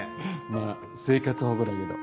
まぁ生活保護だけど。